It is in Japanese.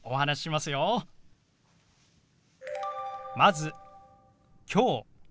まず「きょう」。